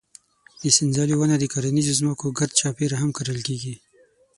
د سنځلې ونه د کرنیزو ځمکو ګرد چاپېره هم کرل کېږي.